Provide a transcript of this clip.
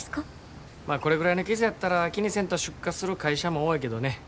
まあこれぐらいの傷やったら気にせんと出荷する会社も多いけどね